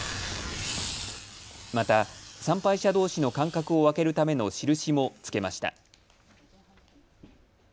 また参拝者どうしの間隔を空けるための印もつけました。